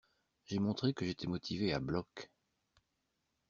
J'ai montré que j’étais motivé à bloc.